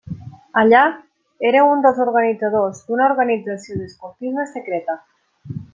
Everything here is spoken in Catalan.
Allà era un dels organitzadors d'una organització d'Escoltisme secreta.